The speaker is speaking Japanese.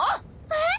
えっ！？